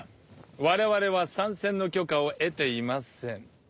我々は参戦の許可を得ていません。